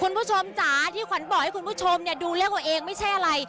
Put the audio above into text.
คุณผู้ชมจ๋าที่ขวัญบอกให้คุณผู้ชมเนี่ยดูเลขตัวเองไม่ใช่อะไร